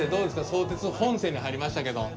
相鉄本線に入りましたけど。